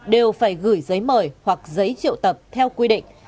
đều phải gửi giấy mời hoặc giấy triệu tập theo quy định